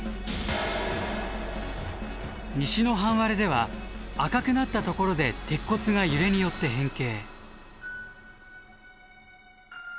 西の半割れでは赤くなったところで鉄骨が揺れによって変形。